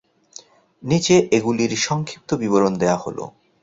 নিচে এগুলির সংক্ষিপ্ত বিবরণ দেওয়া হল।